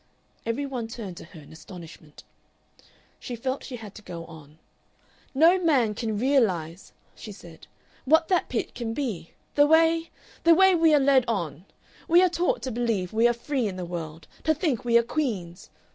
Every one turned to her in astonishment. She felt she had to go on. "No man can realize," she said, "what that pit can be. The way the way we are led on! We are taught to believe we are free in the world, to think we are queens....